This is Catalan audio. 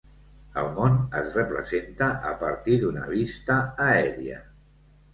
El món es representa a partir d'una vista aèria.